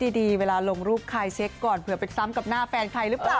ดีเวลาลงรูปใครเช็คก่อนเผื่อไปซ้ำกับหน้าแฟนใครหรือเปล่า